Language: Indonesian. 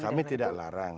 kami tidak larang